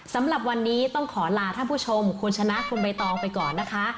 สำหรับวันนี้ต้องขอลาท่านผู้ชมคุณชนะคุณใบตองไปก่อนนะคะ